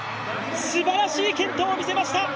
すばらしい健闘を見せました。